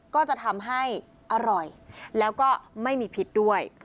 ก็จะทำให้อร่อยแล้วก็ไม่มีพิษด้วย